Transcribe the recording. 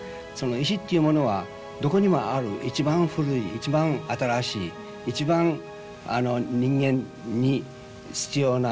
石っていうものはどこにもある一番古い一番新しい一番人間に必要な自然ですよ。